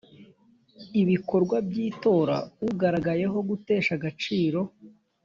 ibikorwa by itora ugaragayeho gutesha agaciro